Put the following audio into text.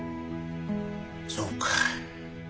そうか。